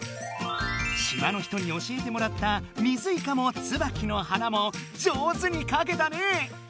島の人に教えてもらった水イカもツバキの花も上手にかけたね！